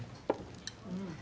うん。